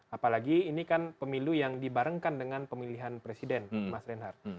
apalagi ini kan pemilu yang dibarengkan dengan pemilihan presiden mas reinhardt